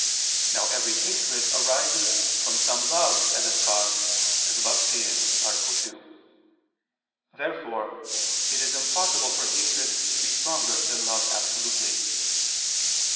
Now every hatred arises from some love as its cause, as above stated (A. 2). Therefore it is impossible for hatred to be stronger than love absolutely.